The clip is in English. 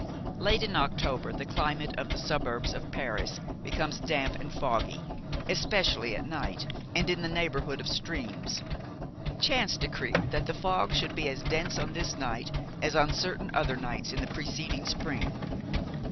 Late in October the climate of the suburbs of Paris becomes damp and foggy, especially at night and in the neighborhood of streams. Chance decreed that the fog should be as dense on this night as on certain other nights in the preceding spring.